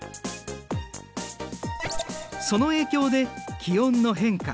その影響で気温の変化